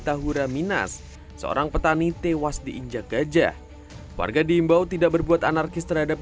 tahura minas seorang petani tewas diinjak gajah warga diimbau tidak berbuat anarkis terhadap